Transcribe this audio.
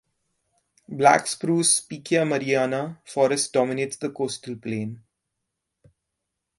Black spruce ("Picea mariana") forest dominates the coastal plain.